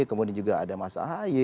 kemudian juga ada mas ahaye